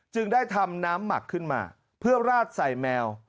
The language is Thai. จึงได้ทำน้ำหมักขึ้นมาเพื่อราดใส่แมว